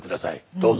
どうぞ。